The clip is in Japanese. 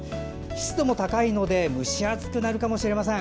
湿度も高いので蒸し暑くなるかもしれません。